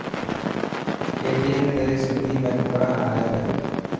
KTN تي سنڌي ۾ کبران ائي تي.